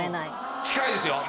近いですよ！